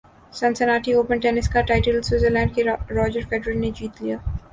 Cincinnati open tennis کا title Switzerland کے Roger Federer نے جیت لیا